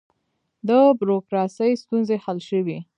د بروکراسۍ ستونزې حل شوې؟